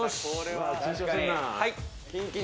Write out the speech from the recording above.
はい。